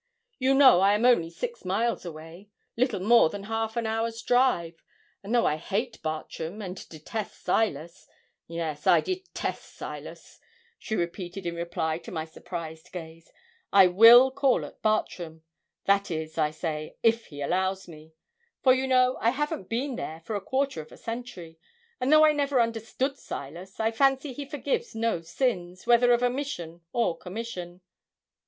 You know I am only six miles away little more than half an hour's drive, and though I hate Bartram, and detest Silas Yes, I detest Silas,' she repeated in reply to my surprised gaze 'I will call at Bartram that is, I say, if he allows me; for, you know, I haven't been there for a quarter of a century; and though I never understood Silas, I fancy he forgives no sins, whether of omission or commission.'